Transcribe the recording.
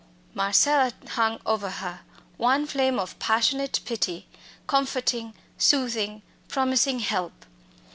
Marcella hung over her, one flame of passionate pity, comforting, soothing, promising help.